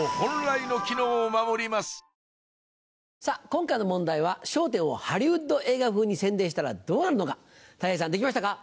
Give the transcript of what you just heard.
今回の問題は『笑点』をハリウッド映画風に宣伝したらどうなるのかたい平さんできましたか？